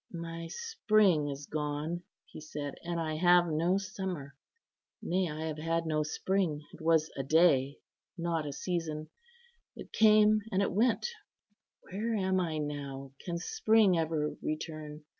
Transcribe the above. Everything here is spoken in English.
"My spring is gone," he said, "and I have no summer. Nay, I have had no spring; it was a day, not a season. It came, and it went; where am I now? Can spring ever return?